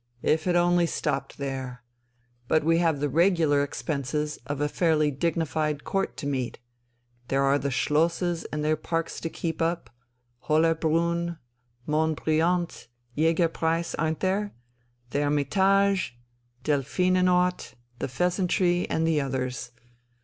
If it only stopped there! But we have the regular expenses of a fairly dignified Court to meet. There are the schlosses and their parks to keep up, Hollerbrunn, Monbrillant, Jägerpreis, aren't there? The Hermitage, Delphinenort, the Pheasantry, and the others....